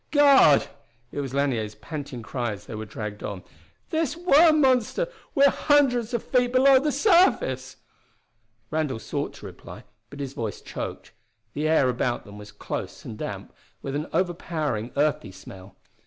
"God!" It was Lanier's panting cry as they were dragged on. "This worm monster we're hundreds of feet below the surface!" Randall sought to reply, but his voice choked. The air about them was close and damp, with an overpowering earthy smell.